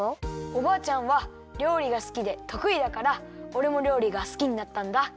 おばあちゃんはりょうりがすきでとくいだからおれもりょうりがすきになったんだ。